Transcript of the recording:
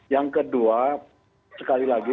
yang kedua sekali lagi